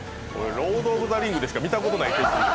「ロード・オブ・ザ・リング」でしか見たことない。